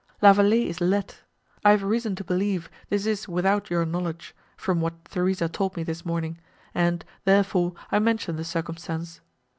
—La Vallée is let! I have reason to believe this is without your knowledge, from what Theresa told me this morning, and, therefore, I mention the circumstance.